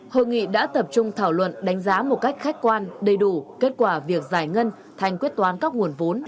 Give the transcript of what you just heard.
hội nghị đã tập trung thảo luận đánh giá một cách khách quan đầy đủ kết quả việc giải ngân thành quyết toán các nguồn vốn